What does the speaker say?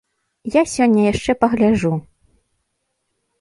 Я сёння яшчэ пагляджу.